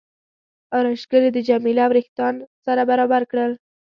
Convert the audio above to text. ارایشګرې د جميله وریښتان سره برابر کړل.